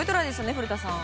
古田さん。